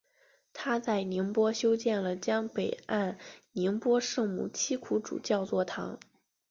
他在宁波修建了江北岸宁波圣母七苦主教座堂。